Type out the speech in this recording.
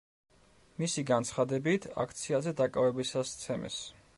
მისი განცხადებით, აქციაზე დაკავებისას სცემეს.